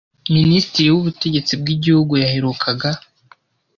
Minisitiri w’Ubutegetsi bw’Igihugu yaherukaga